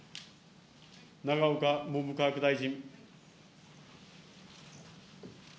永岡文部科学大臣。